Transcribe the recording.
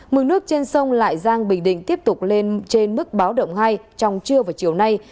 mực nước trên sông lại giang bình định tiếp tục lên trên mức báo động hai trong trưa và chiều nay